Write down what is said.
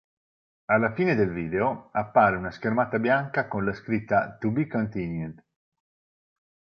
Alla fine del video appare una schermata bianca con la scritta "to be continued".